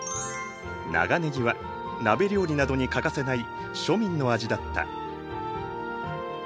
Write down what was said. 長ねぎは鍋料理などに欠かせない庶民の味だった。